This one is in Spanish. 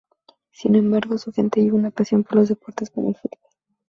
Sin embargo, su gente vive una pasión por los deportes, como el fútbol.